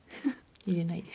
入れないです。